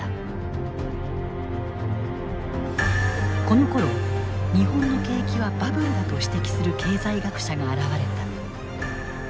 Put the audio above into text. このころ日本の景気はバブルだと指摘する経済学者が現れた。